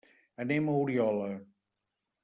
Anem a Oriola.